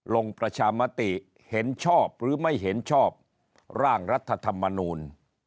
ลงประชามติเห็นชอบหรือไม่เห็นชอบร่างรัฐธรรมนูล